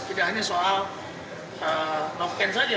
tidak hanya soal noken saja